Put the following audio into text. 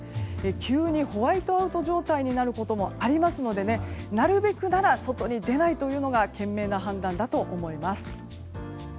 急にホワイトアウト状態になることもありますのでなるべくなら外に出ないのが賢明な判断だと思います。